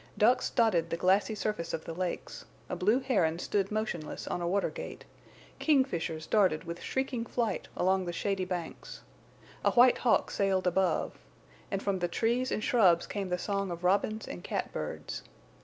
Ducks dotted the glassy surface of the lakes; a blue heron stood motionless on a water gate; kingfishers darted with shrieking flight along the shady banks; a white hawk sailed above; and from the trees and shrubs came the song of robins and cat birds.